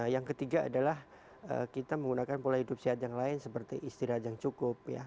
yang ketiga adalah kita menggunakan pola hidup sehat yang lain seperti istirahat yang cukup